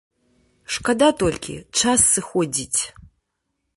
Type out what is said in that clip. Шкада толькі, час сыходзіць.